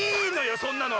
そんなのは！